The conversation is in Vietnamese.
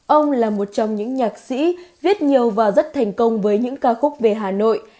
ông là một trong những nhạc sĩ viết nhiều và rất thành công với những ca khúc về hà nội